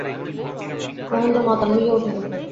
মহেন্দ্র মাতাল হইয়া উঠিল।